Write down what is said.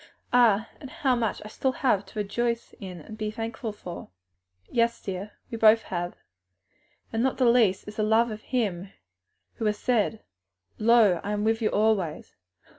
"Ah, how much I still have to rejoice in and be thankful for!" "Yes, dear, we both have! and not the least the love of Him who has said, 'Lo, I am with you alway.'